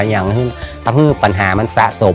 อย่างปัญหามันสะสม